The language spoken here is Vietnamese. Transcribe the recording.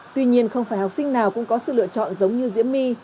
tuy nhiên không phải học sinh nào cũng có sự lựa chọn giống như diễm my